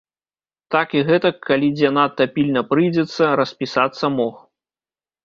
Так і гэтак, калі дзе надта пільна прыйдзецца, распісацца мог.